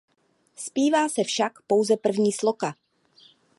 Zpívá se však pouze první sloka.